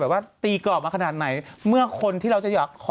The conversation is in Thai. คมคบประงบทะนุษย์ท่านนอก